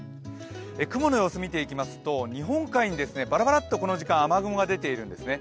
雲の様子見ていきますと日本海にバラバラッと雨雲が出ているんですね。